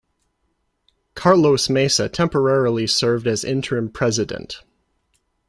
Carlos Mesa temporarily served as interim President.